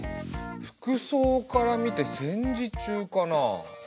服装から見て戦時中かな？